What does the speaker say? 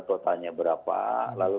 totalnya berapa lalu